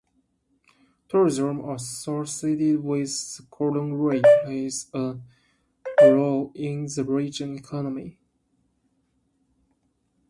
Tourism associated with the Golden Ring plays a role in the regional economy.